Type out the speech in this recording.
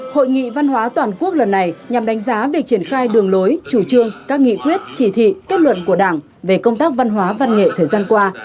hội nghị văn hóa toàn quốc lần này nhằm đánh giá việc triển khai đường lối chủ trương các nghị quyết chỉ thị kết luận của đảng về công tác văn hóa văn nghệ thời gian qua